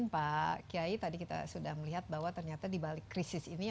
pak kiai tadi kita sudah melihat bahwa ternyata dibalik krisis ini